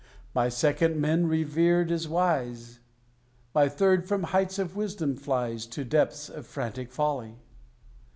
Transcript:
My Second men revered as wise: My Third from heights of wisdom flies To depths of frantic folly.